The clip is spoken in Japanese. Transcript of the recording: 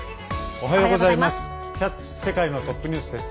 おはようございます。